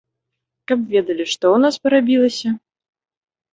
Каб ведалі, што ў нас парабілася?